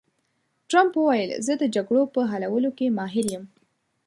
ټرمپ وویل، زه د جګړو په حلولو کې ماهر یم.